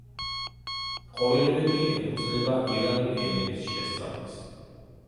ყოველივე კი ეფუძნება ირანული ენების შესწავლას.